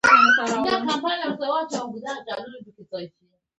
دا میوه د هډوکو روغتیا ته ګټوره ده.